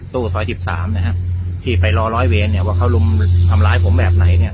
ตู้สอยที่สามนะฮะที่ไปรอร้อยเวนเนี้ยว่าเขาลุมทำร้ายผมแบบไหนเนี้ย